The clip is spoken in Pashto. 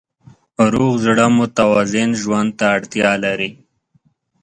روغ زړه متوازن ژوند ته اړتیا لري.